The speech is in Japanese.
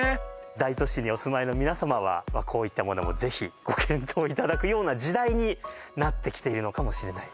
大都市にお住まいの皆様はこういったものもぜひご検討いただくような時代になってきているのかもしれない